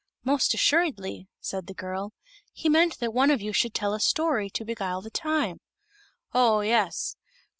"Most assuredly," said the girl; "he meant that one of you should tell a story to beguile the time." "Oh yes.